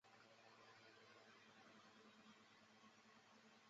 茶卡高原鳅为鳅科高原鳅属的鱼类。